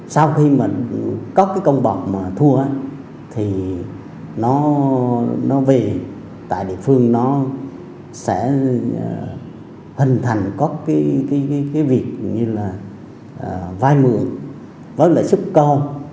sau khi có công bọc thua nó về tại địa phương nó sẽ hình thành có cái việc vai mượn với lợi sức con